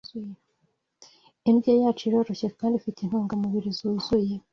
Indyo yacu iroroshye kandi ifite intungamubiri zuzuye